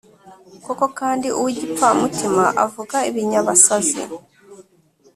Koko kandi, uw’igipfamutima avuga ibinyabasazi,